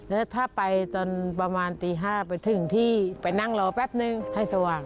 แล้วถ้าไปตอนประมาณตี๕ไปถึงที่ไปนั่งรอแป๊บนึงให้สว่าง